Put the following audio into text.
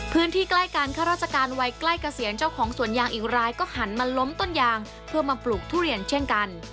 ใกล้กันข้าราชการวัยใกล้เกษียณเจ้าของสวนยางอีกรายก็หันมาล้มต้นยางเพื่อมาปลูกทุเรียนเช่นกัน